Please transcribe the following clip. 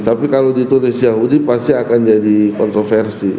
tapi kalau ditulis yahudi pasti akan jadi kontroversi